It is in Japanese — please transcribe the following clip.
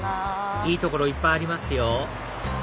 いい所いっぱいありますよ